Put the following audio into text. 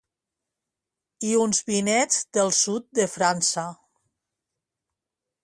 i uns vinets del sud de França